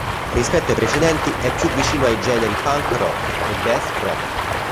Rispetto ai precedenti, è più vicino ai generi Punk rock e Death rock.